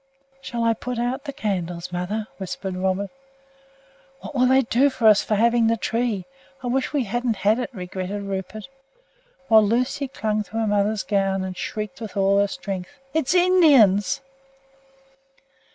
"Shall I put out the candles, mother?" whispered Robert. "What will they do to us for having the tree? I wish we hadn't it," regretted Rupert; while Lucy clung to her mother's gown and shrieked with all her strength, "It's Indians!"